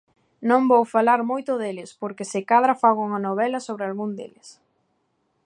Non vou falar moito deles, porque se cadra fago unha novela sobre algún deles.